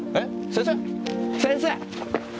先生！